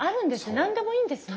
何でもいいんですね。